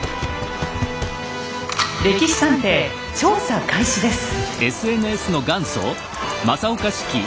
「歴史探偵」調査開始です。